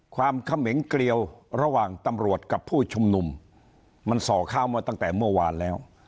ความเขมงเกลียวระหว่างตำรวจกับผู้ชุมนุมมันส่อข้าวมาตั้งแต่เมื่อวานแล้ว